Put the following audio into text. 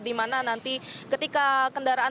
di mana nanti ketika kendaraan